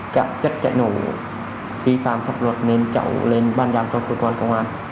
các chất chạy nổ phi phạm pháp luật nên cháu lên ban giám cho cơ quan công an